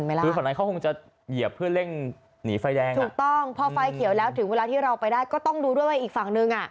คือฝั่งนั้นเขาคงจะเหยียบเพื่อเร่งหนีไฟแดงถูกต้องพอไฟเขียวแล้วถึงเวลาที่เราไปได้ก็ต้องดูด้วยว่าอีกฝั่งนึงอ่ะ